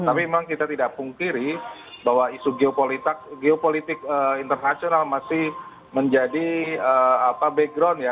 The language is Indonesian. tapi memang kita tidak pungkiri bahwa isu geopolitik internasional masih menjadi background ya